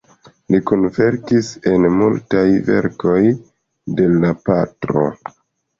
Li kunverkis en multaj verkoj de la patro.